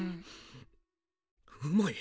うまい。